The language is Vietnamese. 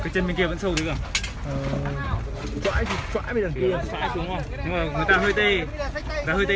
cái chân bên kia vẫn sâu thế cơ